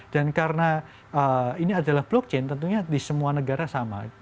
dan karena ini adalah blockchain tentunya di semua negara sama